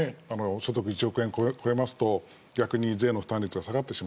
所得１億円を超えると逆に税の負担率が下がると。